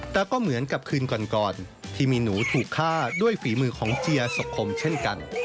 แต่ก็เหมือนกับคืนก่อนที่มีหนูถูกฆ่าด้วยฝีมือของเจียสกคมเช่นกัน